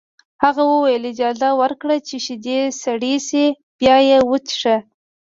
هغه وویل اجازه ورکړه چې شیدې سړې شي بیا یې وڅښه